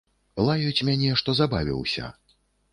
Лаюць мяне, што забавіўся.